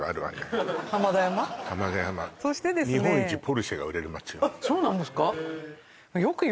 そしてですね日本一ポルシェが売れる街よそうなんですか？